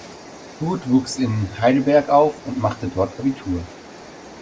Huth wuchs in Heidelberg auf und machte dort Abitur.